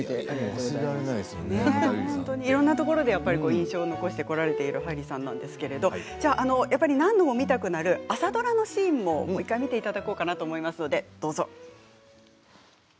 いろいろなところで印象を残してこられているはいりさんですが何度も見たくなる朝ドラのシーンをもう１回見ていただこうかと思います。